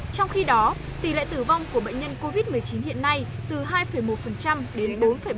trong khi đó tỷ lệ tử vong của bệnh nhân covid một mươi chín hiện nay từ hai một đến bốn bảy